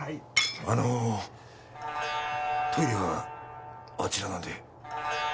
あのトイレはあちらなんで。